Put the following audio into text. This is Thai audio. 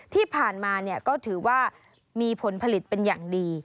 ที่ผ่านมาก็ถือว่ามีผลผลิตเป็นอย่างดี